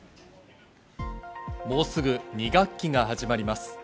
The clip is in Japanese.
もうすぐ２学期が始まります。